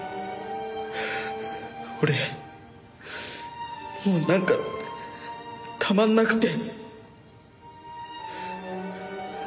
俺もうなんかたまんなくて。